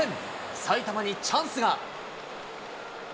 埼玉にチャンスが。